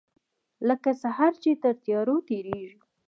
لکه سحر چې تر تیارو تیریږې